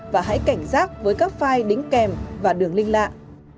và hãy cảnh giác với các file đính kèm và đường linh lạ